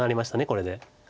これで。